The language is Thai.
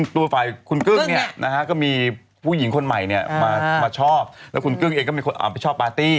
ตัวฝ่ายคุณกึ้งเนี่ยนะฮะก็มีผู้หญิงคนใหม่เนี่ยมาชอบแล้วคุณกึ้งเองก็มีคนชอบปาร์ตี้